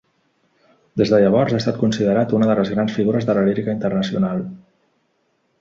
Des de llavors ha estat considerat una de les grans figures de la lírica internacional.